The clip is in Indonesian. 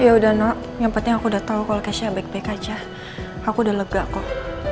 yaudah no yang penting aku udah tahu kalau keisha baik baik aja aku udah lega kok